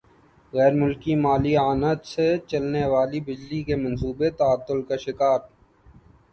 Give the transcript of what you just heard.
غیر ملکی مالی اعانت سے چلنے والے بجلی کے منصوبے تعطل کا شکار